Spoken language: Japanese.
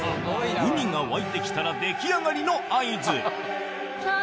ウニが沸いて来たら出来上がりの合図うわ